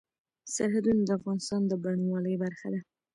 سرحدونه د افغانستان د بڼوالۍ برخه ده.